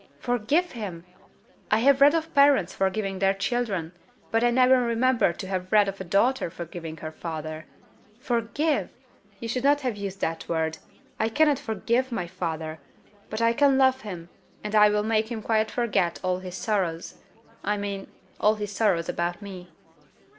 "Forgive him! I have read of parents forgiving their children, but I never remember to have read of a daughter forgiving her father. Forgive! you should not have used that word. I cannot forgive my father: but I can love him, and I will make him quite forget all his sorrows I mean, all his sorrows about me."